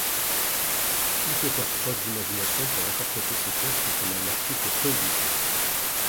Il faut faire preuve d’imagination pour interpréter ce texte comme un article prohibitif.